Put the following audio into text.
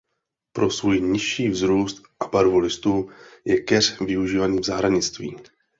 Pro svůj nižší vzrůst a barvu listů je keř využívaný v zahradnictví.